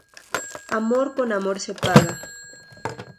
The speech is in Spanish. Amor con amor se paga